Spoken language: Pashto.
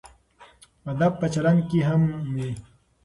ادب په چلند کې هم وي.